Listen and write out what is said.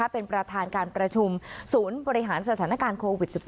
เป็นประธานการประชุมศูนย์บริหารสถานการณ์โควิด๑๙